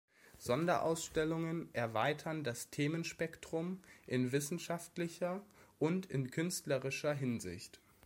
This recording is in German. Sonderausstellungen erweitern das Themenspektrum in wissenschaftlicher und in künstlerischer Hinsicht.